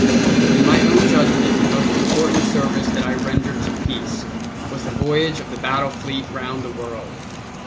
In my own judgment the most important service that I rendered to peace was the voyage of the battle fleet round the world.